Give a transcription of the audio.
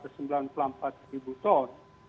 bahkan bisa mencapai seratus ribu ton